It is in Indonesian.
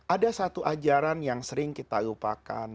ada satu ajaran yang sering kita lupakan